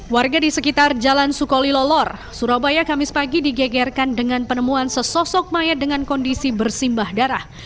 warga di sekitar jalan sukolilolor surabaya kamis pagi digegerkan dengan penemuan sesosok mayat dengan kondisi bersimbah darah